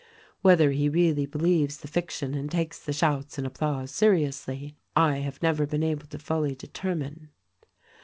Whether he really believes the fiction and takes the shouts and applause seriously, I have never been able to fully determine.